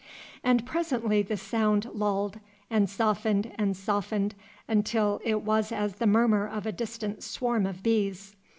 And presently the sound lulled, and softened and softened, until it was as the murmur of a distant swarm of bees.